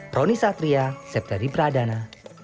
proni satria septeri pradana